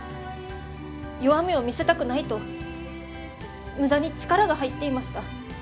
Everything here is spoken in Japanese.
弱みを見せたくないと無駄に力が入っていました。